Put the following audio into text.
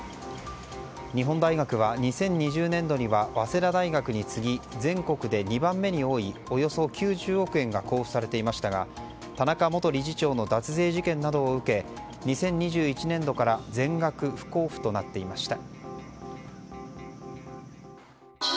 日本大学は２０２０年度には早稲田大学に次ぎ全国で２番目に多いおよそ９０億円が交付されていましたが田中元理事長の脱税事件などを受け２０２１年度から全額不交付となっていました。